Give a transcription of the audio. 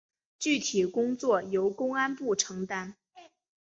具体工作由公安部承担。